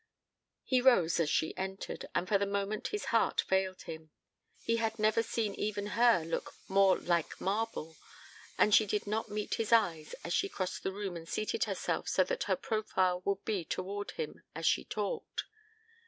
He rose as she entered, and for the moment his heart failed him. He had never seen even her look more like marble, and she did not meet his eyes as she crossed the room and seated herself so that her profile would be toward him as she talked.